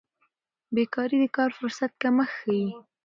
بیکاري د کار فرصت کمښت ښيي.